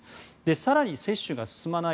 更に接種が進まない